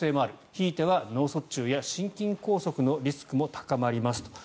ひいては脳卒中や心筋梗塞のリスクも高まりますと。